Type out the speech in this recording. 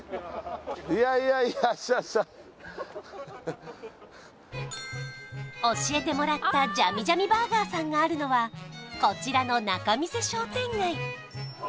いやいやいや教えてもらったジャミジャミバーガーさんがあるのはこちらの仲見世商店街